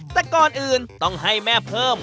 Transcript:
แต่ก่อนอื่นต้องให้แม่เพิ่ม